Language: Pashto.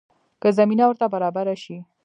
که زمینه ورته برابره شي.